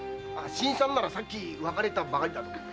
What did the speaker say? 新さんならさっき別れたばかりだぞ。